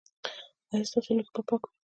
ایا ستاسو لوښي به پاک وي؟